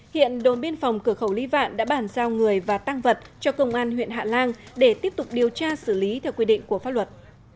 hiện đồn biên phòng cửa khẩu lý vạn đã bản giao người và tăng vật cho công an huyện hạ lan để tiếp tục điều tra xử lý theo quy định của pháp luật